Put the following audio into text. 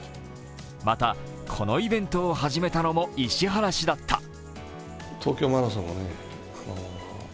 また、このイベントを始めたのも石原氏だった。